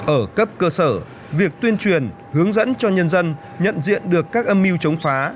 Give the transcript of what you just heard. ở cấp cơ sở việc tuyên truyền hướng dẫn cho nhân dân nhận diện được các âm mưu chống phá